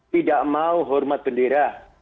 tidak mau hormat bendera